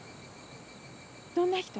どんな人？